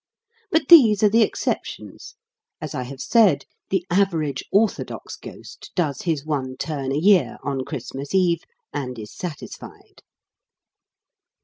But these are the exceptions. As I have said, the average orthodox ghost does his one turn a year, on Christmas Eve, and is satisfied.